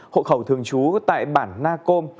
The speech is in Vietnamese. hộ khẩu thường trú tại bản na côm